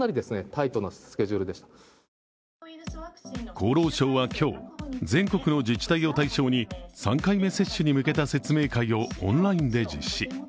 厚労省は今日、全国の自治体を対象に３回目接種に向けた説明会をオンラインで実施。